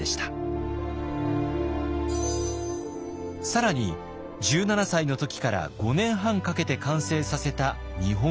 更に１７歳の時から５年半かけて完成させた日本地図。